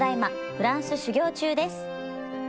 フランス修業中です」。